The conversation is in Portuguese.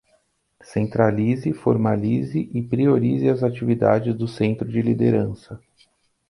Centralize, formalize e priorize as atividades do Centro de Liderança.